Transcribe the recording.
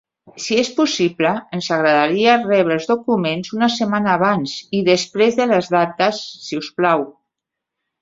Si és possible, ens agradaria rebre els documents una setmana abans i després de les dates, si us plau.